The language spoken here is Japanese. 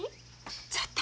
ちょっと。